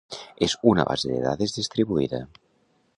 És una base de dades distribuïda.